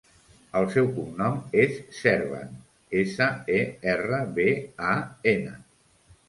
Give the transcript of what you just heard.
El seu cognom és Serban: essa, e, erra, be, a, ena.